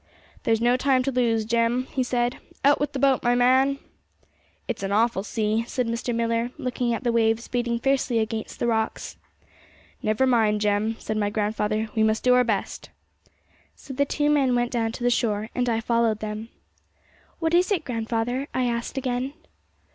'There's no time to lose, Jem,' he said; "out with the boat, my man!" 'It's an awful sea,' said Millar, looking at the waves beating fiercely against the rocks. 'Never mind, Jem,' said my grandfather; 'we must do our best.' So the two men went down to the shore, and I followed them. 'What is it, grandfather?' I asked again.